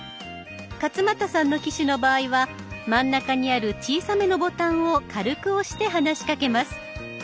勝俣さんの機種の場合は真ん中にある小さめのボタンを軽く押して話しかけます。